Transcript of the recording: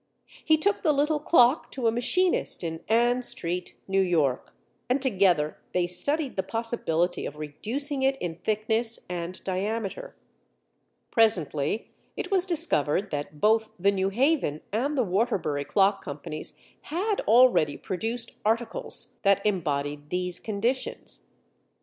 He took the little clock to a machinist in Ann Street, New York, and together they studied the possibility of reducing it in thickness and diameter. Presently it was discovered that both the New Haven and the Waterbury Clock Companies had already produced articles that embodied these conditions.